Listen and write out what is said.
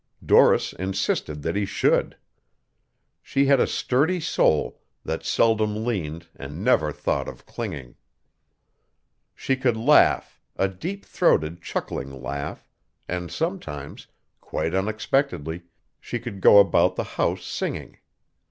Doris insisted that he should. She had a sturdy soul that seldom leaned and never thought of clinging. She could laugh, a deep throated chuckling laugh, and sometimes, quite unexpectedly, she could go about the house singing.